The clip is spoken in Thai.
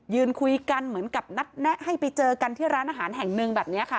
ยืนคุยกันเหมือนกับนัดแนะให้ไปเจอกันที่ร้านอาหารแห่งหนึ่งแบบนี้ค่ะ